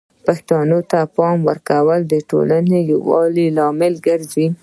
پښتو ته د پام ورکول د ټولنې د یووالي لامل ګرځي.